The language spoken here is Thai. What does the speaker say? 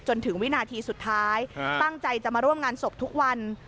จนถึงวินาทีสุดท้ายตั้งใจจะมาร่วมงานศพทุกวัน